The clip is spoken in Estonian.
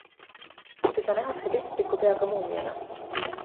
Teda nähakse pistriku peaga muumiana.